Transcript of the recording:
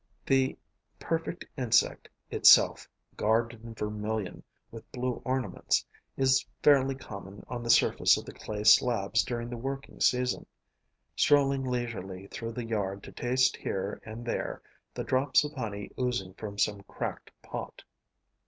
The perfect insect itself, garbed in vermilion with blue ornaments, is fairly common on the surface of the clay slabs during the working season, strolling leisurely through the yard to taste here and there the drops of honey oozing from some cracked pot.